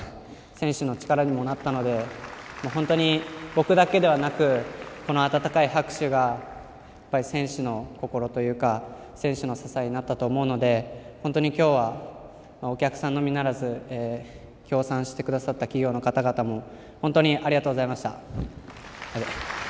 選手の力にもなったので本当に僕だけではなくこの温かい拍手が選手の心というか選手の支えになったと思うので本当に今日はお客さんのみならず協賛してくださった企業の方々も本当にありがとうございました。